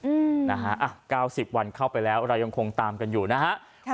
อืมนะฮะอ่ะ๙๐วันเข้าไปแล้วเรายังคงตามกันอยู่นะฮะ